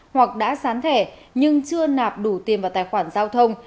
hoặc đã sán thẻ nhưng chưa nạp đủ tiền vào tài khoản giao thông